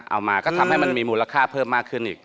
เอามาก็ทำให้มันมีมูลค่าเพิ่มมากขึ้นอีก